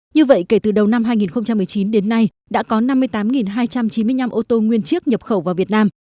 như vậy kể từ đầu năm hai nghìn một mươi chín đến nay đã có năm mươi tám hai trăm chín mươi năm ô tô nguyên chiếc nhập khẩu vào việt nam